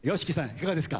いかがですか？